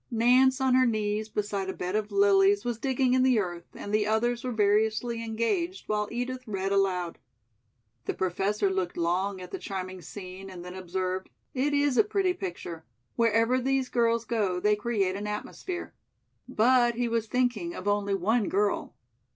Nance on her knees beside a bed of lilies was digging in the earth, and the others were variously engaged while Edith read aloud. The Professor looked long at the charming scene and then observed: "It is a pretty picture. Wherever these girls go they create an atmosphere." But he was thinking of only one girl.